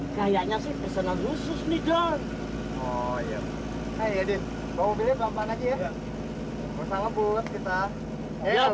kayaknya sih pesanan khusus nih don